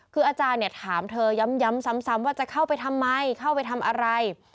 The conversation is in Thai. คืออาจารย์เนี่ยถามเธอย้ำซ้ำว่าจะเข้าไปทำไมเข้าไปทำอะไร